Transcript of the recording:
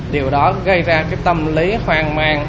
điều đó gây ra tâm lý hoang mang